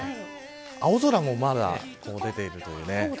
青空もまだ出ているというね。